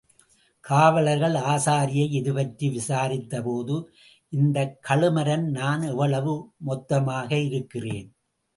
காவலர்கள் ஆசாரியை இதுபற்றி விசாரித்தபோது இந்தக் கழுமரம் நான் எவ்வளவு மொத்தமாக இருக்கிறேன்.